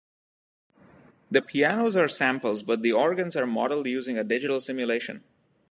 The pianos are samples but the organs are modeled using a "digital simulation".